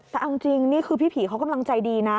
แต่เอาจริงนี่คือพี่ผีเขากำลังใจดีนะ